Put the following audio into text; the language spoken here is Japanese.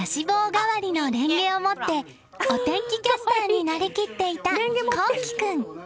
がわりのレンゲを持ってお天気キャスターになりきっていた航季君。